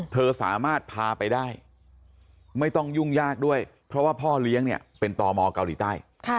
เธอสามารถพาไปได้ไม่ต้องยุ่งยากด้วยเพราะว่าพ่อเลี้ยงเนี่ยเป็นตมเกาหลีใต้